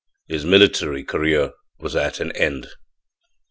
His military career was at an end.